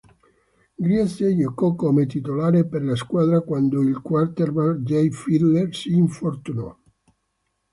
Griese giocò come titolare per la squadra quando il quarterback Jay Fiedler si infortunò.